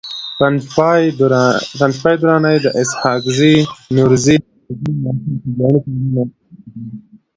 پنجپاي دراني د اسحاقزي، نورزي، علیزي، ماکو او خوګیاڼي قومونو دي